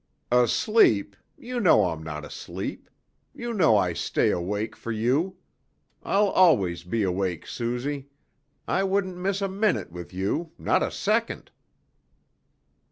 "Asleep! You know I'm not asleep! You know I stay awake for you! I'll always be awake, Suzy. I wouldn't miss a minute with you, not a second."